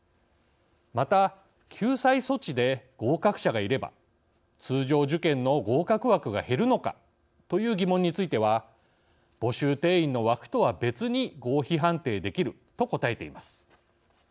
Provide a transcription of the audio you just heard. また救済措置で合格者がいれば通常受験の合格枠が減るのかという疑問については募集定員の枠とは別に合否判定できると答えています。